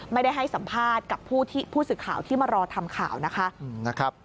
ไม่ได้ให้สัมภาษณ์กับผู้สื่อข่าวที่มารอทำข่าวนะคะ